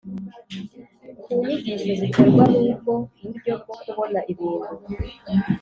ku nyigisho ziterwa n’ubwo buryo bwo kubona ibintu